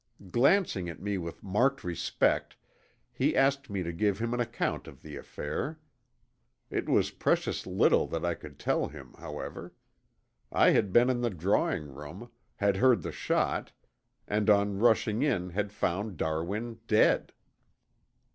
Glancing at me with marked respect he asked me to give him an account of the affair. It was precious little that I could tell him, however. I had been in the drawing room, had heard the shot, and on rushing in had found Darwin dead.